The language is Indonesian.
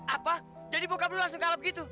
apa jadi bokap lu langsung kalep gitu